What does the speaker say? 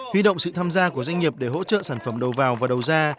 huy động sự tham gia của doanh nghiệp để hỗ trợ sản phẩm đầu vào và đầu ra